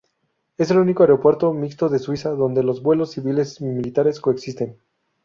Es el único aeropuerto mixto de Suiza, donde los vuelos civiles y militares coexisten.